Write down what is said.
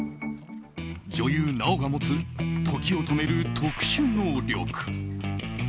女優・奈緒が持つ時を止める特殊能力。